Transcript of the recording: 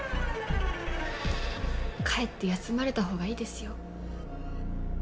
帰って休まれたほうがいいですよ。